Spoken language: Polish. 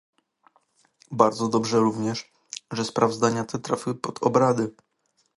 Bardzo dobrze również, że sprawozdania te trafiły pod obrady